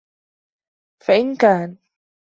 فَإِنْ كَانَ